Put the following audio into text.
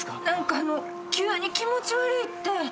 何か急に気持ち悪いって。